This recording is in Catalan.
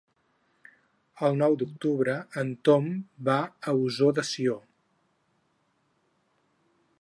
El nou d'octubre en Tom va a Ossó de Sió.